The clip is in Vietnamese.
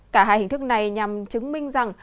cả hai hình thức này nhằm chứng minh rằng